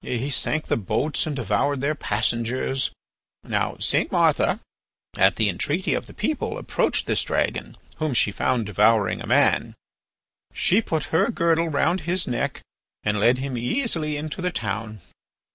He sank the boats and devoured their passengers. Now St. Martha, at the entreaty of the people, approached this dragon, whom she found devouring a man. She put her girdle round his neck and led him easily into the town.